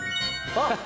あっ！